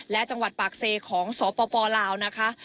และจังหวัดปากเซของสปลาวนะคะ